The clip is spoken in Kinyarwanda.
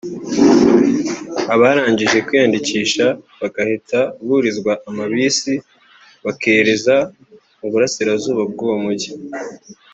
abarangije kwiyandikisha bagahita burizwa amabisi bakereza mu Burasirazuba bw’uwo mujyi